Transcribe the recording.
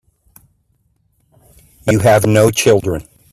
You have no children.